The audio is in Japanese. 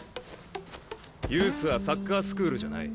ユースはサッカースクールじゃない。